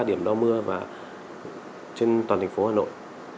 bốn mươi ba điểm đo mưa trên toàn thành phố hà nội